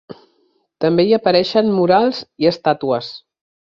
També hi apareixen murals i estàtues.